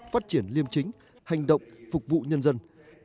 phát triển liêm chính hành động phục vụ nhân dân